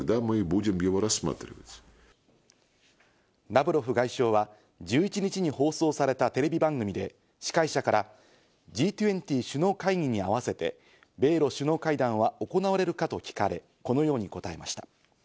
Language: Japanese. ラブロフ外相は１１日に放送されたテレビ番組で司会者からＧ２０首脳会議に合わせて、米露首脳会談が行われるかと聞かれ、このように答えました。